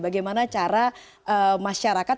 bagaimana cara masyarakat